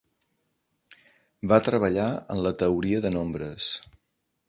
Va treballar en la teoria de nombres.